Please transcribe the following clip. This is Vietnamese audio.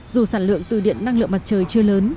dù sản lượng từ điện năng lượng mặt trời chưa lớn